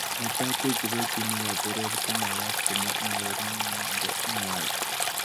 Netai ko kiboitinikab poror komagat komwa mogornondit ngwai